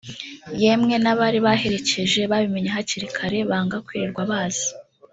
yemwe n’abari babaherekeje babimenye hakiri kare banga kwirirwa baza